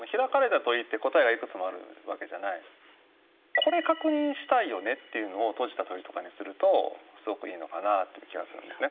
これ確認したいよねっていうのを閉じた問いとかにするとすごくいいのかなという気がするんですね。